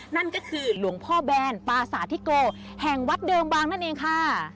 นั่นก็คือหลวงพ่อแบนปาสาธิโกแห่งวัดเดิมบางนั่นเองค่ะ